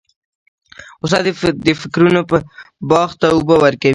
استاد د فکرونو باغ ته اوبه ورکوي.